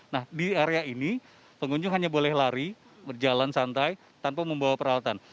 nah di area ini pengunjung hanya boleh lari berjalan santai tanpa membawa peralatan